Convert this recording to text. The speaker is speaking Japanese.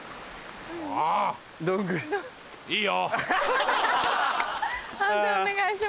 いいよ。